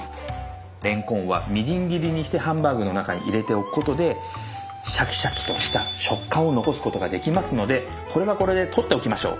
れんこんはみじん切りにしてハンバーグの中に入れておくことでシャキシャキとした食感を残すことができますのでこれはこれで取っておきましょう。